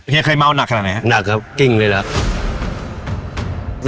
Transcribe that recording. เคยเมาหนักขนาดไหนครับหนักครับกิ้งเลยเหรอ